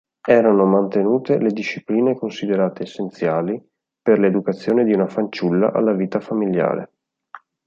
Erano mantenute le discipline considerate essenziali per l'educazione di una fanciulla alla vita familiare.